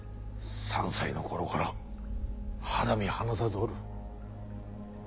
３歳の頃から肌身離さずおる。